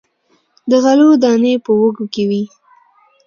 د غلو دانې په وږو کې وي.